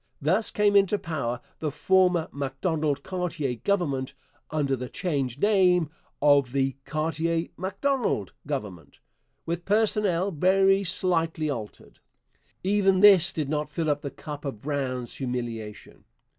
Thus came into power the former Macdonald Cartier Government, under the changed name of the Cartier Macdonald Government, with personnel very slightly altered. Even this did not fill up the cup of Brown's humiliation.